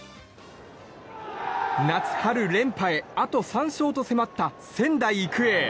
夏春連覇へ、あと３勝と迫った仙台育英。